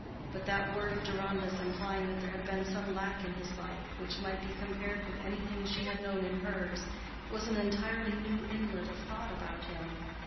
But that word of Deronda's implying that there had been some lack in his life which might be compared with anything she had known in hers, was an entirely new inlet of thought about him.